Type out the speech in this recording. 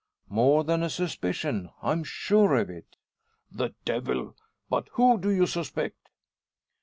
"More than a suspicion. I'm sure of it." "The devil! But who do you suspect?"